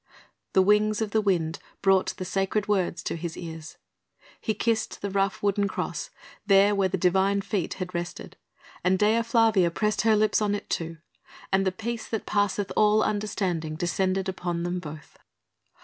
The wings of the wind brought the sacred words to his ears. He kissed the rough wooden Cross there where the Divine feet had rested, and Dea Flavia pressed her lips on it too, and the peace that passeth all understanding descended upon them both.